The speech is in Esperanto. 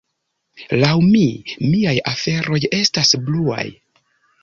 "Laŭ mi, miaj aferoj estas bluaj."